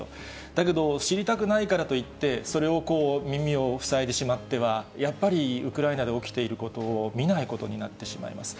だけど、知りたくないからといって、それを耳を塞いでしまっては、やっぱりウクライナで起きていることを見ないことになってしまいます。